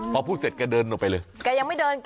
พอพูดเสร็จแกเดินออกไปเลย